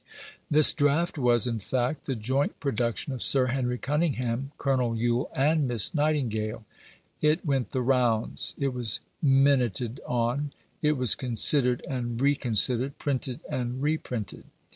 This draft was, in fact, the joint production of Sir Henry Cunningham, Colonel Yule, and Miss Nightingale. It went the rounds. It was minuted on. It was considered and reconsidered; printed and reprinted.